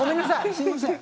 すいません。